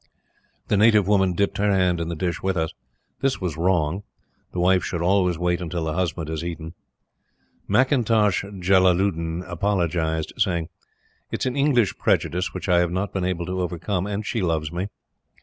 The native woman dipped her hand in the dish with us. This was wrong. The wife should always wait until the husband has eaten. McIntosh Jellaludin apologized, saying: "It is an English prejudice which I have not been able to overcome; and she loves me.